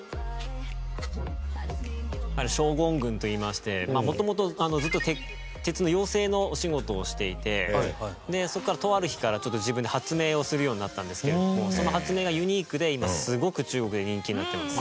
ショウゴングンといいましてもともとずっと鉄の溶接のお仕事をしていてそこからとある日からちょっと自分で発明をするようになったんですけれどもその発明がユニークで今すごく中国で人気になってます。